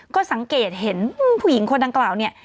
ก็สังเกตเห็นผู้หญิงคนดังกล่าวเนี่ย